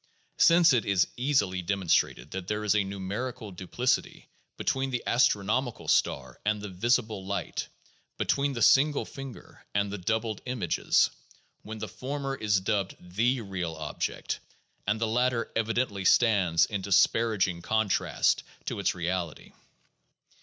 Since it is easily demonstrable that there is a numerical duplicity between the astronomical star and the visible light, between the single finger and the doubled images, when the former is dubbed "the" real object the latter evidently stands in disparaging contrast to its reality.